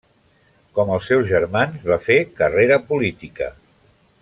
Com els seus germans, va fer carrera política.